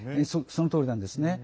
そのとおりなんですね。